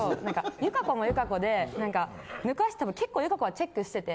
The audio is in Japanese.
友香子も友香子で抜かしても結構友香子はチェックしてて。